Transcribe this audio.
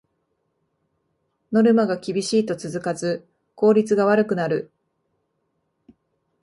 ノルマが厳しいと続かず効率が悪くなる